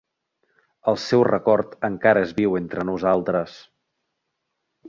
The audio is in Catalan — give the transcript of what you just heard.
El seu record encara és viu entre nosaltres.